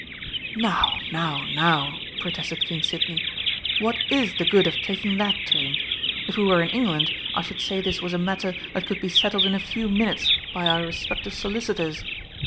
"Now now now," protested King Sidney, "what is the good of taking that tone? If we were in England I should say this was a matter that could be settled in few minutes by our respective solicitors.